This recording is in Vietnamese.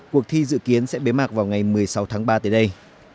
cuộc thi dự kiến sẽ bế mạc vào ngày một mươi sáu tháng ba tới đây